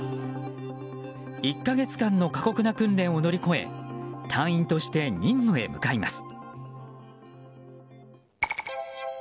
１か月間の過酷な訓練を乗り越え隊員として任務へ向かいます。